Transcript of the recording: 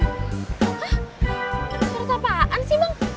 hah syarat apaan sih bang